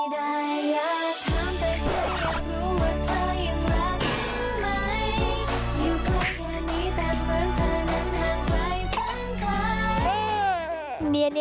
นั่งทางไว้ข้างใกล้